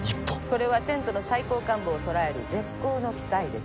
これはテントの最高幹部を捕らえる絶好の機会です